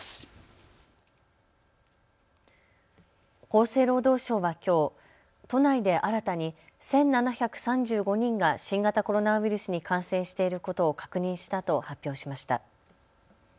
厚生労働省はきょう、都内で新たに１７３５人が新型コロナウイルスに感染していることを確認したと発表しました。